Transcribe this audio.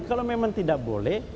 kalau memang tidak boleh